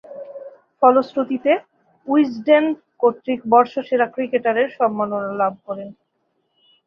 ফলশ্রুতিতে উইজডেন কর্তৃক বর্ষসেরা ক্রিকেটারের সম্মাননা লাভ করেন।